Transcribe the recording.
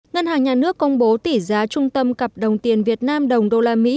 ngân hàng nhà nước công bố tỷ giá trung tâm cặp đồng tiền việt nam đồng đô la mỹ